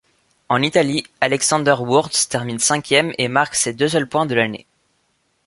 En Italie, Alexander Wurz termine cinquième et marque ses deux seuls points de l'année.